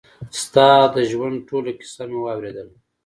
ستا د ژوند ټوله کيسه مې واورېدله.